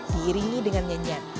diiringi dengan nyanyian